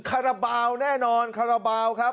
คาราบาลแน่นอนคาราบาลครับ